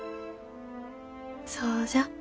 そうじゃ。